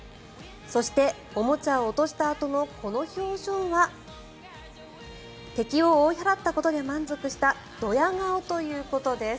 そしておもちゃを落としたあとのこの表情は敵を追い払ったことで満足したドヤ顔ということです。